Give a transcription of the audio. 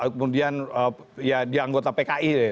kemudian ya dianggota pki